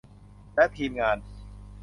และทีมงาน